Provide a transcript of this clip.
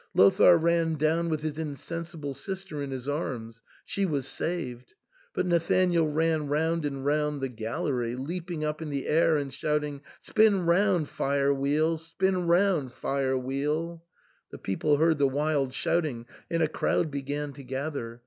Lothair ran down with his insensible sister in his arms. She was saved. But Nathanael ran round and round the gallery, leaping up in the air and shouting, "Spin round, fire wheel! Spin round, fire wheel!" The people heard the wild shouting, and a crowd began to gather.